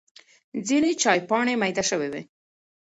ځینې چای پاڼې مېده شوې وي.